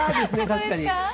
確かに。